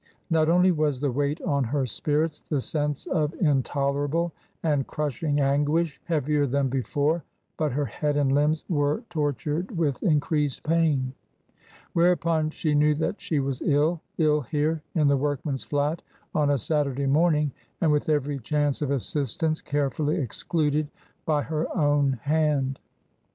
Not only was the weight on her spirits, the sense of intolerable and crushing anguish, heavier than before, but her head and limbs were tor tured with increased pain. Whereupon she knew that she was ill — ill here in the workman's flat on a Saturday morning and with every chance of assistance carefully excluded by her own hand.